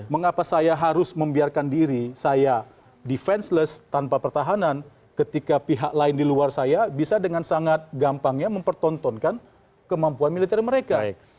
mengapa saya harus membiarkan diri saya defenseless tanpa pertahanan ketika pihak lain di luar saya bisa dengan sangat gampangnya mempertontonkan kemampuan militer mereka